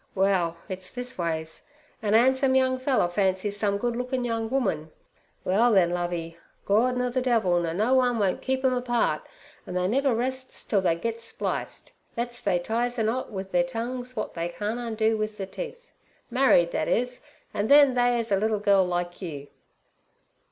Well, it's this ways. An' nandsome young feller fancies some good lookin' young woman; well, then, Lovey, Gord nur ther devil nur no one won't keep 'em apart, an' they never rests till they gets spliced—thet's they ties a knot wi' their tongues wot they can't undo wi' their teeth. Married, thet is, an' then they 'as a liddle girl like you.'